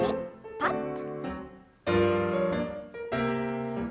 パッと。